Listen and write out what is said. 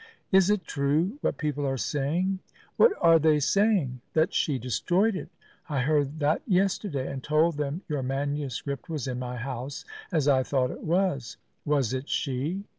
"Is it true, what people are saying?" "What are they saying?" "That she destroyed it. I heard that yesterday, and told them your manuscript was in my house, as I thought it was. Was it she?"